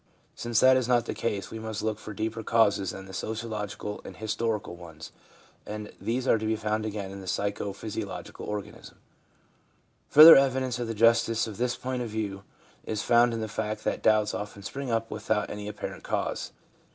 Since that is not the case, we must look for deeper causes than the sociological and historical ones, and these are to be found again in the psycho physiological organism. Further evidence of the justice of this point of view is found in the fact that doubts often spring up without any apparent cause.